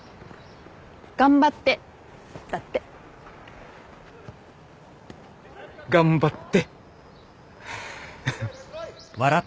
頑張ってだって。頑張って。